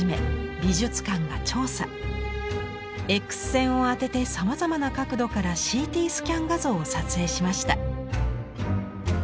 Ｘ線を当ててさまざまな角度からＣＴスキャン画像を撮影しました。